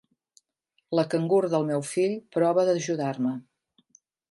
La cangur del meu fill prova d'ajudar-me.